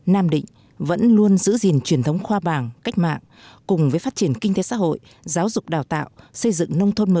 nam định vẫn luôn giữ gìn truyền thống khoa bảng cách mạng cùng với phát triển kinh tế xã hội giáo dục đào tạo xây dựng nông thôn mới